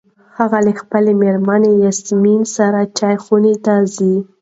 هغه له خپلې مېرمنې یاسمین سره چای خونو ته ځي.